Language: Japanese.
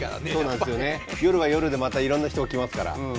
夜は夜でまたいろんな人が来ますから。